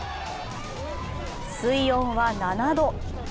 水温は７度。